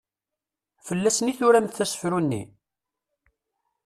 Fell-asen i turamt asefru-nni?